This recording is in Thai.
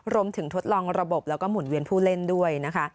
ทดลองระบบแล้วก็หมุนเวียนผู้เล่นด้วยนะคะ